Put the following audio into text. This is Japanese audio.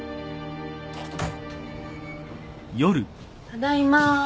ただいま。